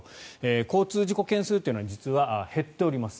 交通事故件数は実は減っております。